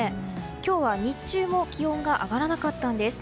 今日は日中も気温が上がらなかったんです。